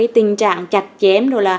tình trạng chặt chém